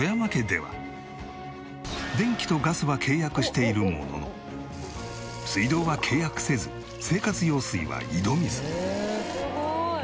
電気とガスは契約しているものの水道は契約せずマジっすか？